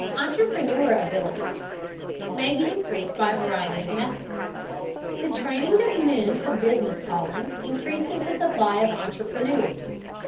Entrepreneur ability may be increased by a variety of methods. The training of men for business callings increases the supply of entrepreneurs.